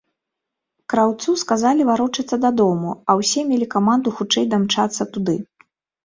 Краўцу сказалі варочацца дадому, а ўсе мелі каманду хутчэй дамчацца туды.